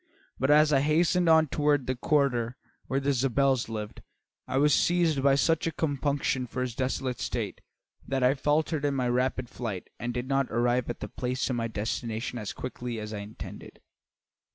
But as I hastened on toward the quarter where the Zabels lived, I was seized by such compunction for his desolate state that I faltered in my rapid flight and did not arrive at the place of my destination as quickly as I intended.